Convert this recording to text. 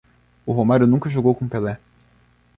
O Romário nunca jogou com o Pelé.